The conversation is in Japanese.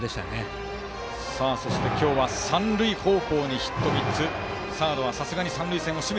バッターは今日は三塁方向にヒット３つ。